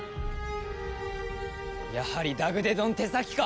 やはりダグデドの手先か！